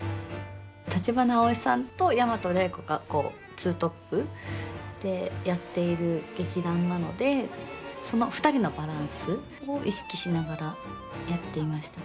橘アオイさんと大和礼子がこうツートップでやっている劇団なのでその２人のバランスを意識しながらやっていました。